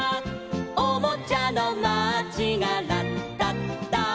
「おもちゃのマーチがラッタッタ」